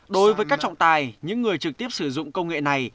đối với các trọng tài những người trực tiếp sử dụng công nghệ này